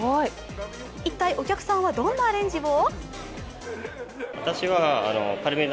一体お客さんはどんなアレンジを？